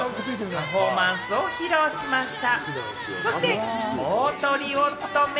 パフォーマンスを披露しました。